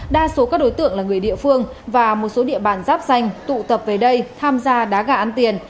đa số các đối tượng là người địa phương và một số địa bàn giáp danh tụ tập về đây tham gia đá gà ăn tiền